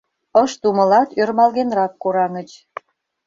Ышт умылат, ӧрмалгенрак кораҥыч.